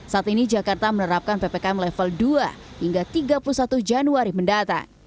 saat ini jakarta menerapkan ppkm level dua hingga tiga puluh satu januari mendatang